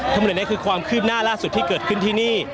ทั้งหมดนี้คือความคืบหน้าล่าสุดที่เกิดขึ้นที่นี่